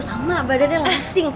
sama badannya ngasing